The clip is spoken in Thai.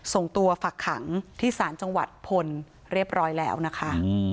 ส่งตัวฝักขังที่ศาลจังหวัดพลเรียบร้อยแล้วนะคะ